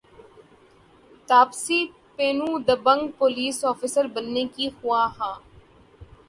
تاپسی پنو دبنگ پولیس افسر بننے کی خواہاں